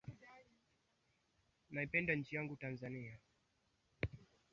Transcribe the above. huonekana kuwa kitu kibaya na kusababisha jamii ya mfu huyo kulaumiwa Kwa hiyo haikuwa